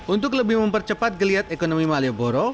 untuk lebih mempercepat geliat ekonomi malioboro